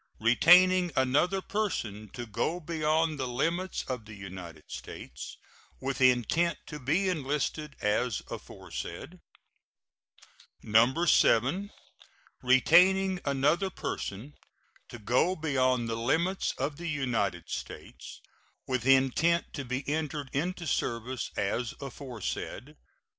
Retaining another person to go beyond the limits of the United States with intent to be enlisted as aforesaid. 7. Retaining another person to go beyond the limits of the United States with intent to be entered into service as aforesaid.